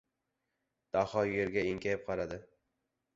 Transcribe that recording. Daho yerga enkayib qaradi.